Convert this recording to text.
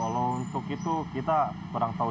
kalau untuk itu kita kurang tahu